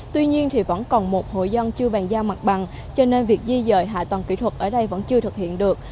tuy nhiên thì vẫn còn một hội dân chưa vàng giao mặt bằng cho nên việc di dời hạ toàn kỹ thuật ở đây vẫn chưa thực hiện được